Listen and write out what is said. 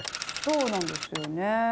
そうなんですよね。